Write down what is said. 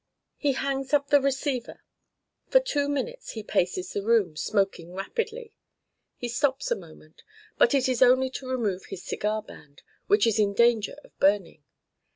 He hangs up the receiver. For two minutes he paces the room, smoking rapidly. He stops a moment ... but it is only to remove his cigar band, which is in danger of burning.